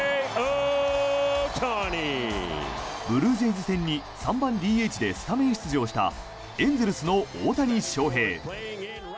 ブルージェイズ戦に３番ＤＨでスタメン出場したエンゼルスの大谷翔平。